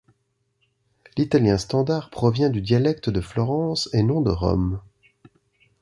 L'italien standard provient du dialecte de Florence et non de Rome.